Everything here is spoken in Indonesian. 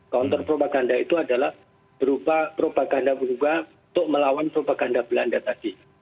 counter propaganda itu adalah berupa propaganda berubah untuk melawan propaganda belanda tadi